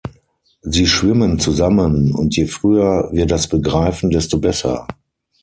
Sie schwimmen zusammen, und je früher wir das begreifen, desto besser.